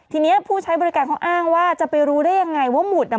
ทีนี้ผู้ใช้บริการเขาอ้างว่าจะไปรู้ได้ยังไงว่าหมุดอ่ะ